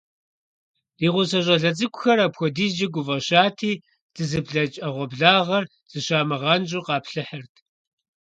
Ди гъусэ щIалэ цIыкIухэр апхуэдизкIэ гуфIэщати, дызыблэкI Iэгъуэблагъэр, зыщамыгъэнщIу, къаплъыхьырт.